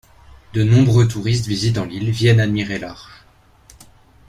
De nombreux touristes visitant l'île viennent admirer l'arche.